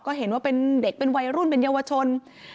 ก็เห็นว่าเป็นเด็กเป็นวัยรุ่นเป็นเยาวชน